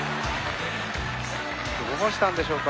どうしたんでしょうか。